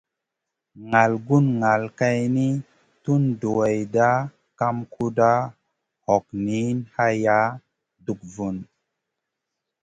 Ŋal kuɗ ŋal geyni, tun duwayda kam kuɗa, hog niyn haya, dug vun.